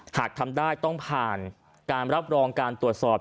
หากทำได้ต้องผ่านการรับรองการตรวจสอบ